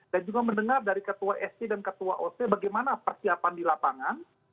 dan juga mendengar dari ketua sc dan ketua oc bagaimana persiapan di lapangan